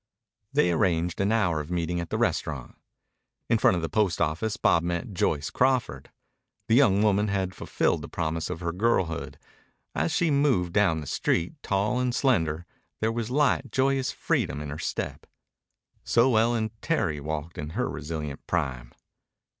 They arranged an hour of meeting at the restaurant. In front of the post office Bob met Joyce Crawford. The young woman had fulfilled the promise of her girlhood. As she moved down the street, tall and slender, there was a light, joyous freedom in her step. So Ellen Terry walked in her resilient prime.